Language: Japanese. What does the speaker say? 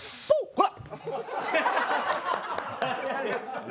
こら！